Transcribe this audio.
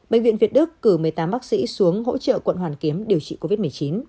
bệnh viện việt đức cử một mươi tám bác sĩ xuống hỗ trợ quận hoàn kiếm điều trị covid một mươi chín